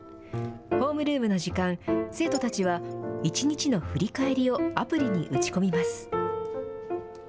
ホームルームの時間、生徒たちは１日の振り返りをアプリに打ち込みます。